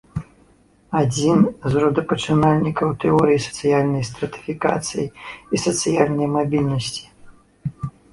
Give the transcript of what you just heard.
Адзін з родапачынальнікаў тэорый сацыяльнай стратыфікацыі і сацыяльнай мабільнасці.